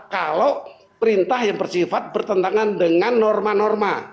kalau perintah yang bersifat bertentangan dengan norma norma